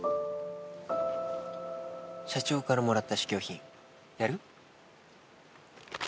社長からもらった試供品やる？